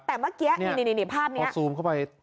แต่เมื่อกี้นี่ภาพนี้